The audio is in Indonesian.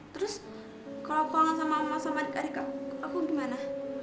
terus kalau kangen sama masa madika adik kamu aku gimana